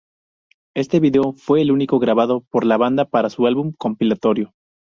Este vídeo fue el único grabado por la banda para su álbum compilatorio.